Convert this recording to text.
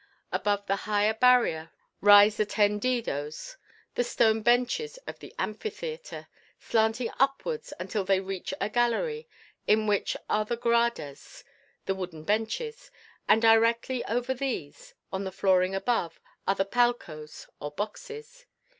Above the higher barrier rise the tendidos the stone benches of the amphitheatre slanting upwards until they reach a gallery, in which are the gradas the wooden benches and directly over these, on the flooring above, are the palcos or boxes.